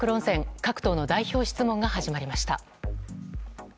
各党の代表質問が始まりました。